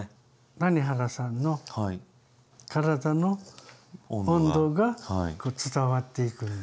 谷原さんの体の温度が伝わっていくんですね。